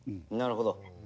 なるほど。